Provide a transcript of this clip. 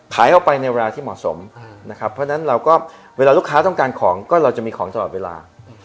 ขายออกไปในเวลาที่เหมาะสมนะครับเพราะฉะนั้นเราก็เวลาลูกค้าต้องการของก็เราจะมีของตลอดเวลา